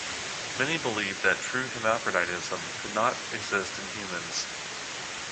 Many believed that "true hermaphroditism" could not exist in humans.